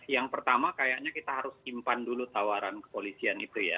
yang pertama kayaknya kita harus simpan dulu tawaran kepolisian itu ya